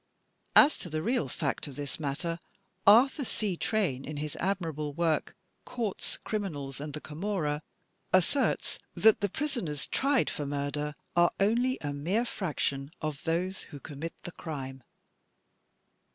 As to the real fact of this matter, Arthur C. Train, in his admirable work, "Courts, Criminals and the Camorra," asserts that the prisoners tried for murder are only a mere fraction of those who commit the crime.